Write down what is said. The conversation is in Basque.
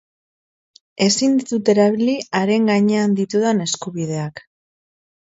Ezin ditut erabili haren gainean ditudan eskubideak?